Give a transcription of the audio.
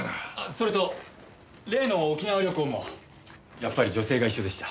それと例の沖縄旅行もやっぱり女性が一緒でした。